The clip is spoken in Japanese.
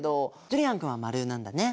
ジュリアン君は○なんだね。